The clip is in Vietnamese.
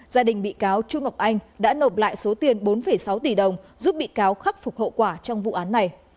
gia đình bị cáo trung ngọc anh đã nộp lại số tiền bốn sáu tỷ đồng giúp bị cáo khắc phục hậu quả trong vụ án này